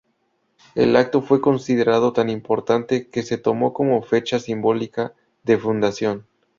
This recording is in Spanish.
El acto fue considerado tan importante que se tomó como fecha simbólica de fundación.